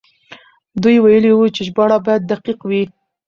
دوی ويلي وو چې ژباړه بايد دقيق وي.